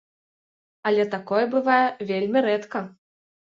Але такое бывае вельмі рэдка.